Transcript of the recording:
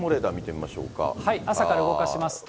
朝から動かしますと。